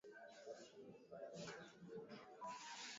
Wageni kutoka Italia huja kwa wingi kwani huwa na usafiri wa moja kwa moja